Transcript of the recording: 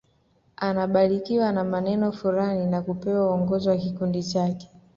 Anabarikiwa na maneno fulani na kupewa uongozi wa kikundi chake